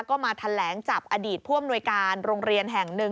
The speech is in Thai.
ก็มาแถลงจับอดีตผู้อำนวยการโรงเรียนแห่งหนึ่ง